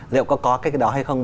liệu có cái đó hay không